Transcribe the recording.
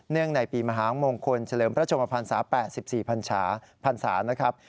เนื่องในปีมหาวงคลเฉลิมพระชมพันศาแปะ๑๔พันศานะครับ